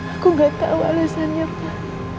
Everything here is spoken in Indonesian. aku gak tau alasannya pa